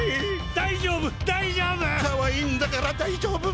大丈夫！かわいいんだから大丈夫！